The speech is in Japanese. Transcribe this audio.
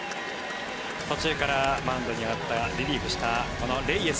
途中からマウンドに上がったリリーフしたこのレイエス。